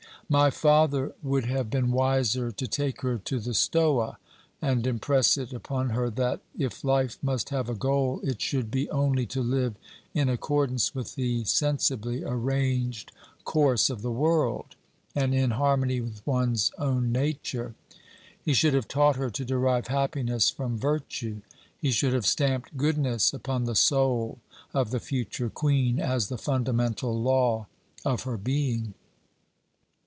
My father would have been wiser to take her to the Stoa and impress it upon her that, if life must have a goal, it should be only to live in accordance with the sensibly arranged course of the world, and in harmony with one's own nature. He should have taught her to derive happiness from virtue. He should have stamped goodness upon the soul of the future Queen as the fundamental law of her being.